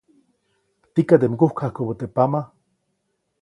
Tikaʼnde mgukjajkubä teʼ pama.